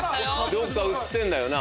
どっか映ってんだよな。